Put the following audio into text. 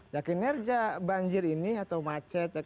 nah kinerja banjir ini atau macet